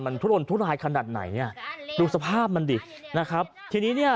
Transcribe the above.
มันทุรนทุรายขนาดไหนเนี่ยดูสภาพมันดินะครับทีนี้เนี่ย